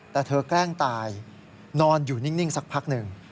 แต่เธอแกล้งตายนอนอยู่นิ่งสักพักหนึ่ง